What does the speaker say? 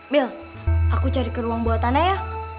bil aku cari ke ruang bawah tanah ya